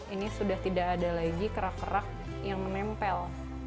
ini sudah tidak ada lagi kerak kerak yang menempel